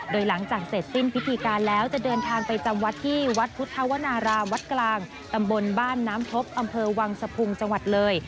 โดยหลังจากเสร็จสิ้นพิธีการแล้วจะเดินทางไปจำวัดที่วัดพุทธวนารามวัดกลางตำบลบ้านน้ำพบอำเภอวังสะพุงจังหวัดเลย